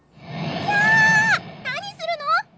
何するの！